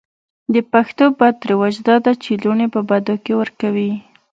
د پښتو بد رواج دا ده چې لوڼې په بدو کې ور کوي.